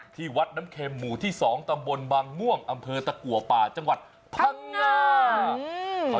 ที่วัดน้ำเข็มหมู่ที่๒ตำบลบางม่วงอำเภอตะกัวป่าจังหวัดพังงา